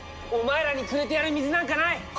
お前らにくれてやる水なんかない！